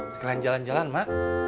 sekalian jalan jalan ma